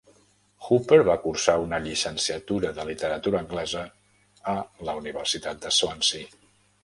Hooper va cursar una llicenciatura de Literatura anglesa a la Universitat de Swansea.